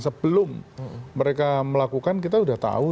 sebelum mereka melakukan kita sudah tahu